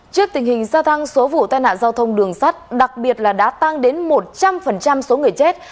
trước tình hình gia tăng số vụ tai nạn giao thông đường sắt đặc biệt là đã tăng đến một trăm linh số người chết